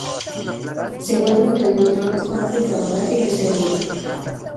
Se encuentra en el neotrópico, África, Malasia y Oceanía.